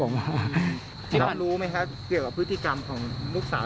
คิดว่ารู้ไหมครับเกี่ยวกับพฤติกรรมของลูกสาว